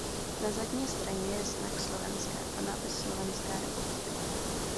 Na zadní straně je znak Slovenska a nápis Slovenská republika.